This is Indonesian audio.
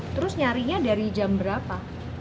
terus nyarinya dari jam berapa